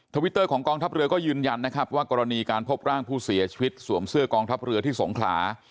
วิตเตอร์ของกองทัพเรือก็ยืนยันนะครับว่ากรณีการพบร่างผู้เสียชีวิตสวมเสื้อกองทัพเรือที่สงขลา